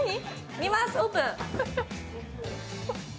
見ます、オープン。